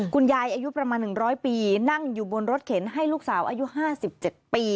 คุณยายอายุประมาณหนึ่งร้อยปีนั่งอยู่บนรถเข็นให้ลูกสาวอายุห้าสิบเจ็ดปี